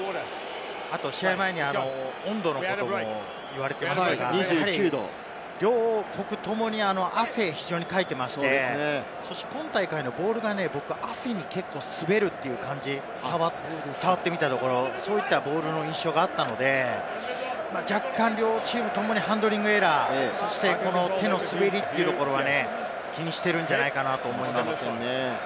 試合前に温度のことも言われていましたが、両国ともに汗、非常にかいていまして、今大会のボールが、僕、汗に結構滑るという感じ、触ってみたところ、そういったボールの印象があったので若干、両チームともにハンドリングエラー、そして手のすべりというところが気にしているんじゃないかなと思います。